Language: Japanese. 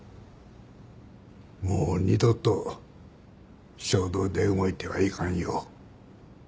もう二度と衝動で動いてはいかんよ。